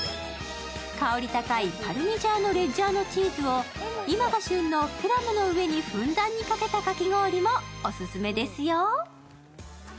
香り高いパルミジャーノレッジャーノチーズを今が旬のプラムの上にふんだんにかけたかき氷もオススメですよ。